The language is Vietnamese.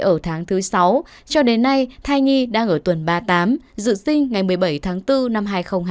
ở tháng thứ sáu cho đến nay thai nhi đang ở tuần ba mươi tám dự sinh ngày một mươi bảy tháng bốn năm hai nghìn hai mươi